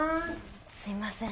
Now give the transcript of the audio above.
すいません。